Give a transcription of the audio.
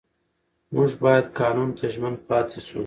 موږ باید قانون ته ژمن پاتې شو